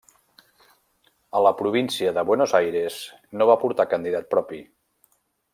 A la província de Buenos Aires no va portar candidat propi.